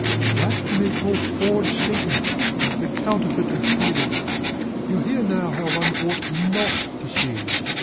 That you may call forged sentiment, the counterfeit of feeling. You hear now how one ought not to sing.